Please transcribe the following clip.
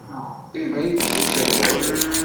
Ayɣer i d-tusiḍ ɣur-i?